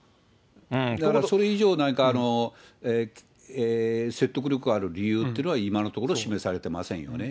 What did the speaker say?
だからそれ以上、何か説得力ある理由っていうのは今のところ、示されてませんよね。